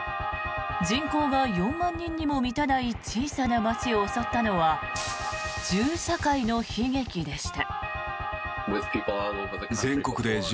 人口が４万人にも満たない小さな街を襲ったのは銃社会の悲劇でした。